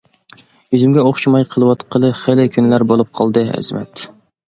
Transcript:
-ئۆزۈمگە ئوخشىماي قېلىۋاتقىلى خېلى كۈنلەر بولۇپ قالدى، ئەزىمەت.